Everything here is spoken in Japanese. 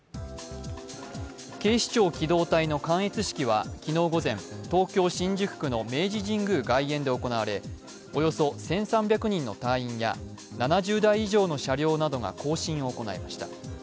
警視庁機動隊の観閲式は昨日午前、東京・新宿区の明治神宮外苑で行われ、およそ１３００人の隊員や７０台以上の車両などが更新を行いました。